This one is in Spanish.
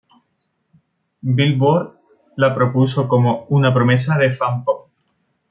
Billboard la propuso como una promesa de "fun pop".